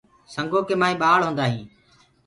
سنگو ڪي مآئينٚ ڀآݪ هوندآ هينٚ۔